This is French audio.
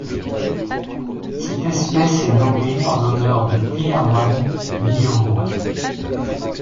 Cette espèce est nommée en l'honneur de Piyawan Niyomwan.